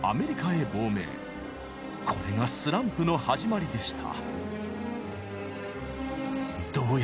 これがスランプの始まりでした。